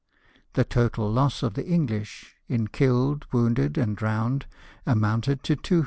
The total loss of the English in killed, wounded, and drowned amounted to 250.